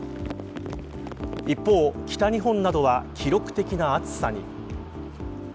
一方、北日本などは記録的な暑さに。